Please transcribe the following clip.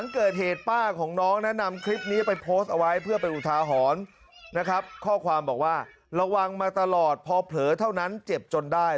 ข้อความบอกว่าระวังมาตลอดพอเผลอเท่านั้นเจ็บจนได้